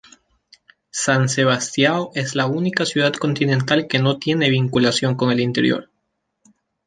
San Sebastião es la única ciudad continental que no tiene vinculación con el interior.